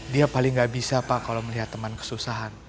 dia paling gak bisa pak kalau melihat teman kesusahan